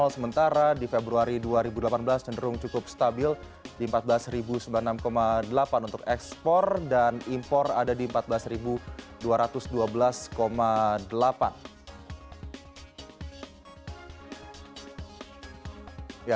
sementara di februari dua ribu delapan belas cenderung cukup stabil di empat belas sembilan puluh enam delapan untuk ekspor dan impor ada di empat belas dua ratus dua belas delapan